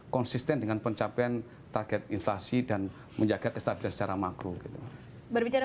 konsisten dengan pencapaian target inflasi dan menjaga kestabilan secara makro gitu berbicara